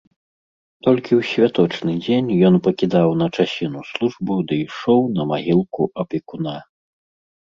Толькі ў святочны дзень ён пакідаў на часіну службу ды ішоў на магілку апекуна.